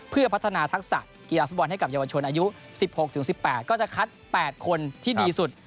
เพื่อพัฒนาทักษะกีฬาฟุตบอลให้กับเยาวชนอายุ๑๖๑๘ก็จะคัด๘คนที่ดีสุด